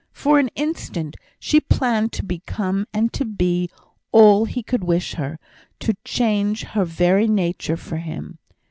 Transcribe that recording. For an instant she planned to become and to be all he could wish her; to change her very nature for him.